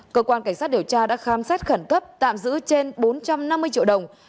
cơ quan cảnh sát điều tra đã khám xét khẩn cấp tạm giữ trên bốn trăm năm mươi triệu đồng